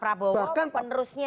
pak prabowo penerusnya